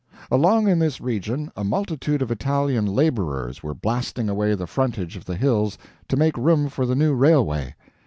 Along in this region a multitude of Italian laborers were blasting away the frontage of the hills to make room for the new railway.